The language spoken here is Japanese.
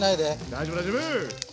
大丈夫大丈夫！